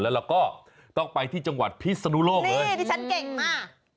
แล้วเราก็ต้องไปที่จังหวัดพิศนุโลกเลยนี่ดิฉันเก่งมาก